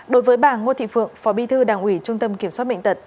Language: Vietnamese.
đối với bà ngô thị phượng phó bi thư đảng ủy trung tâm kiểm soát bệnh tật